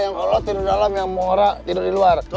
yang kolot tidur dalam yang morak tidur di luar